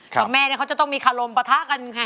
กับแม่เนี่ยเขาจะต้องมีคารมปะทะกันไง